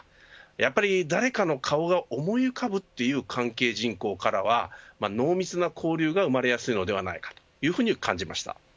やっぱり、誰かの顔が思い浮かぶという関係人口からは濃密な交流が生まれやすいのではないかというふうに感じました。